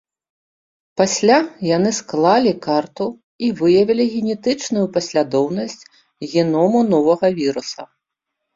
Пасля яны склалі карту і выявілі генетычную паслядоўнасць геному новага віруса.